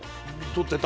とってた？